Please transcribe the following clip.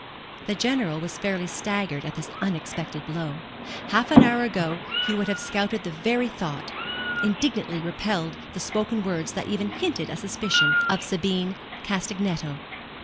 The General was fairly staggered at this unexpected blow. Half an hour ago he would have scouted the very thought, indignantly repelled the spoken words that even hinted a suspicion of Sabine Castagneto.